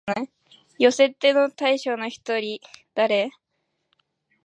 寄せ手の大将の一人、土岐悪五郎